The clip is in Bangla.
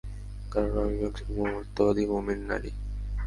কারণ আমি একজন সত্যবাদী মুমিন নারী।